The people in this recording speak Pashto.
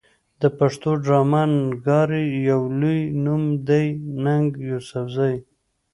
د پښتو ډرامه نګارۍ يو لوئې نوم دی ننګ يوسفزۍ